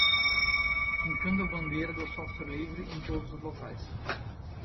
Fincando a bandeira do software livre em todos os locais